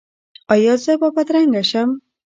ایا زه به بدرنګه شم؟